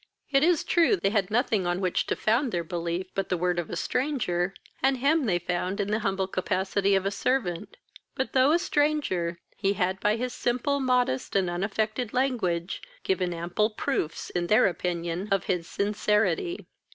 It is true, they had nothing on which to found their belief but the word of a stranger, and him they found in the humble capacity of a servant; but, though a stranger, he had, by his simple, modest, and unaffected language, given ample proofs in their opinion of his sincerity.